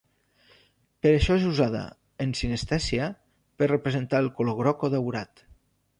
Per això és usada, en sinestèsia, per representar el color groc o daurat.